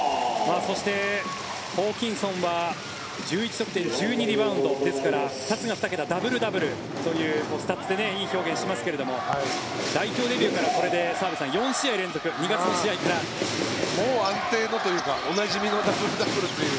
そしてホーキンソンは１１得点１２リバウンドですから、２つが２桁ダブル・ダブルというスタッツでいい表現をしますが代表出てから４試合連続もう安定のというかおなじみのダブル・ダブルという。